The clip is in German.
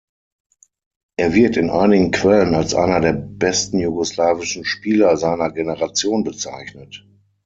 Er wird in einigen Quellen als einer der besten jugoslawischen Spieler seiner Generation bezeichnet.